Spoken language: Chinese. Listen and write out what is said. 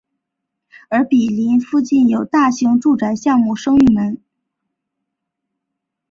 而毗邻附近有大型住宅项目升御门。